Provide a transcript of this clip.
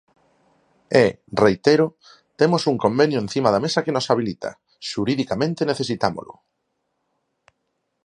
E, reitero, temos un convenio encima da mesa que nos habilita, xuridicamente necesitámolo.